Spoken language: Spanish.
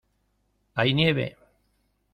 ¡ hay nieve!